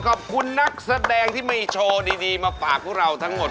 ขอบคุณนักแสดงที่มีโชว์ดีมาฝากพวกเราทั้งหมด